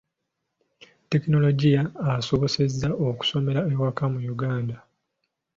Tekinologiya ansobozesezza okusomera ewaka mu Uganda.